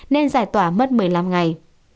nên giải tỏa mất một mươi năm ngày